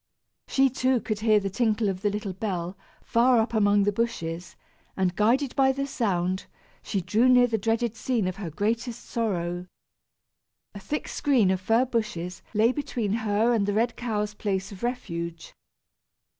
She too, could hear the tinkle of the little bell far up among the bushes, and guided by the sound, she drew near the dreaded scene of her greatest sorrow. A thick screen of fir bushes lay between her and the red cow's place of refuge.